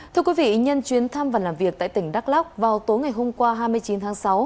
thưa quý vị nhân chuyến thăm và làm việc tại tỉnh đắk lóc vào tối ngày hôm qua hai mươi chín tháng sáu